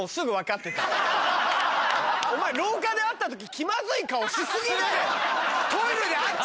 お前廊下で会った時気まずい顔し過ぎだよ！